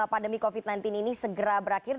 pandemi covid sembilan belas ini segera berakhir